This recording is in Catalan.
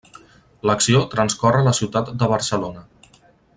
L'acció transcorre a la ciutat de Barcelona.